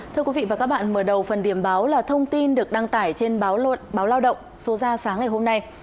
thưa quý vị và các bạn mở đầu phần điểm báo là thông tin được đăng tải trên báo lao động số ra sáng ngày hôm nay